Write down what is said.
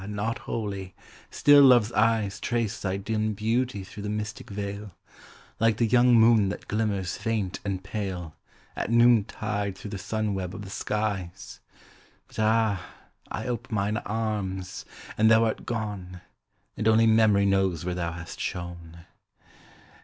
not wholly still Love's eyes Trace thy dim beauty through the mystic veil, Like the young moon that glimmers faint and pale, At noontide through the sun web of the skies; But ah! I ope mine arms, and thou art gone, And only Memory knows where thou hast shone.